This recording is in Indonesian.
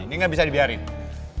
ini gak bisa dibiarin